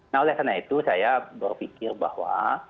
nah oleh karena itu saya berpikir bahwa